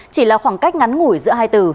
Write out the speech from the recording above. chỉ là khoảng cách ngắn ngủi giữa hai từ